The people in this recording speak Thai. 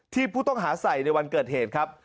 ที่ผู้ต้องหาใส่ในวันเกิดเหตุครับ